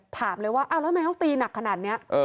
ถามเลยว่าแล้วทำไมต้องตีหนักขนาดนี้